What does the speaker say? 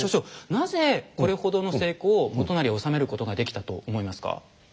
なぜこれほどの成功を元就は収めることができたと思いますか？